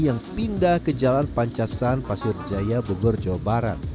yang pindah ke jalan pancasan pasir jaya bogor jawa barat